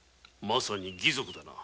まさに「義賊」だな。